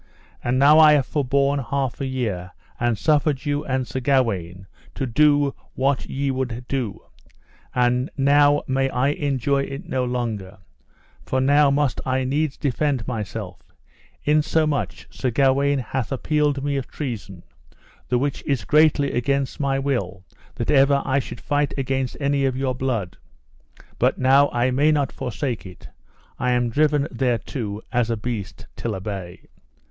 And now I have forborne half a year, and suffered you and Sir Gawaine to do what ye would do; and now may I endure it no longer, for now must I needs defend myself, insomuch Sir Gawaine hath appealed me of treason; the which is greatly against my will that ever I should fight against any of your blood, but now I may not forsake it, I am driven thereto as a beast till a bay.